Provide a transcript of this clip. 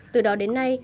từ đó đến nay